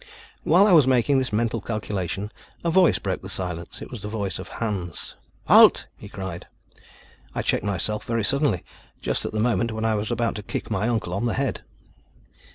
While I was making this mental calculation a voice broke the silence. It was the voice of Hans. "Halt!" he cried. I checked myself very suddenly, just at the moment when I was about to kick my uncle on the head.